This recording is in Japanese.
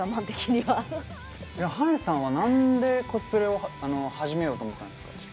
はねさんはなんでコスプレを始めようと思ったんですか？